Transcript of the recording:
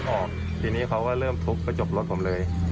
พอจากนี้เขาก็เริ่มทุกข์ไปจบรถผมเลย